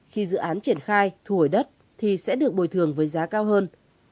khi dự án triển khai thu hồi đất thì sẽ được bồi thường với giá cao hơn